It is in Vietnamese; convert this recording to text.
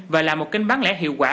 và là một kênh bán lẻ hiệu quả